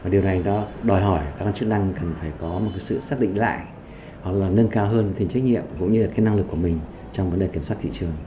điều này đó đòi hỏi các chức năng cần phải có một sự xác định lại hoặc là nâng cao hơn tình trách nhiệm cũng như là năng lực của mình trong vấn đề kiểm soát thị trường